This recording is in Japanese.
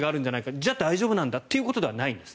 じゃあ、大丈夫なんだということではないです。